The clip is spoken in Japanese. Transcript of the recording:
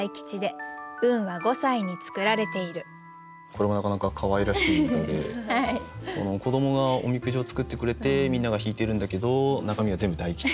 これもなかなかかわいらしい歌で子どもがおみくじを作ってくれてみんなが引いてるんだけど中身は全部大吉。